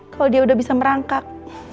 kalau dia udah bisa merangkak